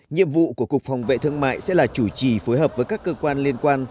nhiệm vụ của cục phòng vệ thương mại sẽ là chủ trì phối hợp với các cơ quan liên quan